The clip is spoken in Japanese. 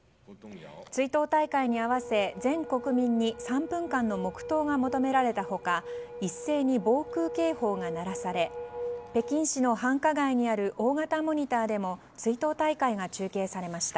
追悼大会に合わせ、全国民に３分間の黙とうが求められた他一斉に防空警報が鳴らされ北京市の繁華街にある大型モニターでも追悼大会が中継されました。